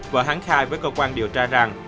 vợ hắn khai với cơ quan điều tra rằng